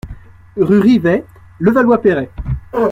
Rue Rivay, Levallois-Perret